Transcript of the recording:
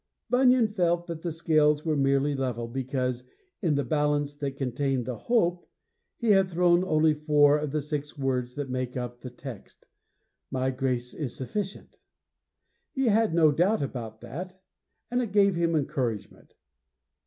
Bunyan felt that the scales were merely level because, in the balance that contained the hope, he had thrown only four of the six words that make up the text. 'My grace is sufficient'; he had no doubt about that, and it gave him encouragement.